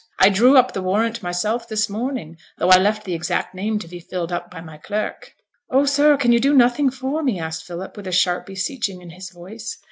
I drew up the warrant myself this morning, though I left the exact name to be filled up by my clerk.' 'Oh, sir! can you do nothing for me?' asked Philip, with sharp beseeching in his voice.